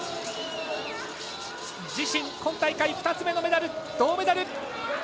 自身、今大会２つ目のメダル銅メダル！